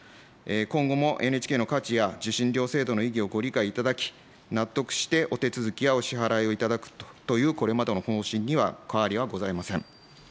今後もＮＨＫの価値や受信料制度の意義をご理解いただき、納得してお手続きやお支払いをいただくという、これまでの方針には変わりはございません。